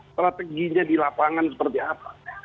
strateginya di lapangan seperti apa